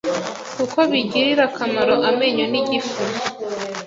kuko bigirira akamaro amenyo n’igifu.